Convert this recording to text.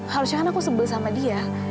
harusnya kan aku sebel sama dia